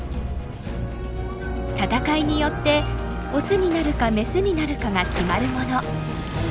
闘いによってオスになるかメスになるかが決まるもの。